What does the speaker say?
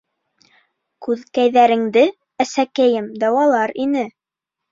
Күҙкәйҙәреңде, әсәкәйем, дауалар ине.